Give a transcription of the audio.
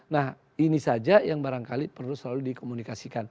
nah ini saja yang barangkali perlu selalu dikomunikasikan